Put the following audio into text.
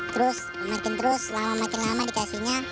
terus makin terus lama makin lama dikasihnya